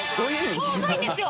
超うまいんですよ